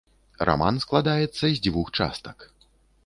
Раман складаецца з дзвюх частак.